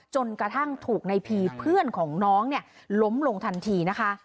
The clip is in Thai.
จนกระทั่งถูกในพีเพื่อนของน้องเนี่ยล้มลงทันทีนะคะ